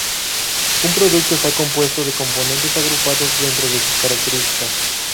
Un producto está compuesto de componentes agrupados dentro de sus características.